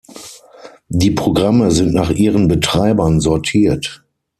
Die Programme sind nach ihren Betreibern sortiert.